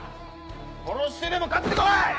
殺してでも勝って来い！